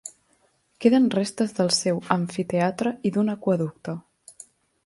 Queden restes del seu amfiteatre i d'un aqüeducte.